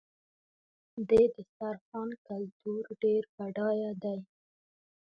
د دسترخوان کلتور ډېر بډایه دی.